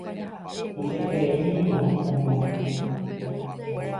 Tuichaiterei niko añemondýi.